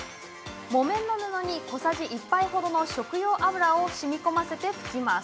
木綿の布に小さじ１杯ほどの食用油をしみこませて拭きます。